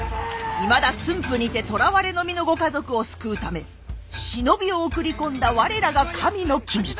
いまだ駿府にてとらわれの身のご家族を救うため忍びを送り込んだ我らが神の君。